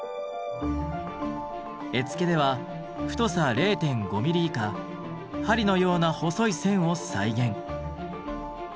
絵付けでは太さ０．５ミリ以下針のような細い線を再現。